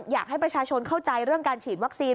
อยากให้ประชาชนเข้าใจเรื่องการฉีดวัคซีน